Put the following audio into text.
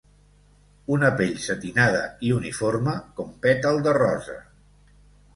Una pell setinada i uniforme, com pètal de rosa